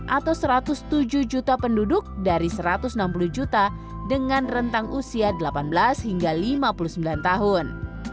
atau satu ratus tujuh juta penduduk dari satu ratus enam puluh juta dengan rentang usia delapan belas hingga lima puluh sembilan tahun